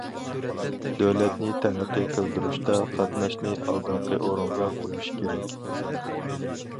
دۆلەتنى تەرەققىي قىلدۇرۇشتا قاتناشنى ئالدىنقى ئورۇنغا قويۇش كېرەك.